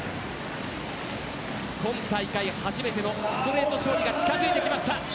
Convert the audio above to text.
今大会初めてのストレート勝利が近づいてきました。